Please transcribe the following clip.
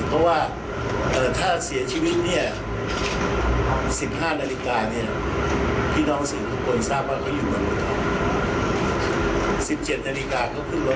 เพราะว่าถ้าเสียชีวิตเนี่ย๑๕นาฬิกาเนี่ยพี่น้องศึกโกยทราบว่าเขาอยู่กันหรือเปล่า